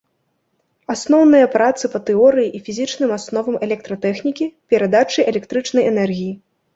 Асноўныя працы па тэорыі і фізічным асновам электратэхнікі, перадачы электрычнай энергіі.